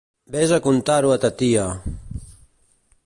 Ves a contar-ho a ta tia!